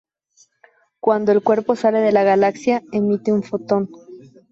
Cuando el cuerpo sale de la galaxia, emite un fotón.